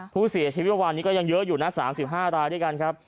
ผู้เสียชีวิตเมื่อวานนี้ก็ยังเยอะอยู่นะ๓๕รายด้วยกันครับ